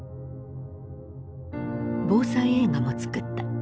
防災映画も作った。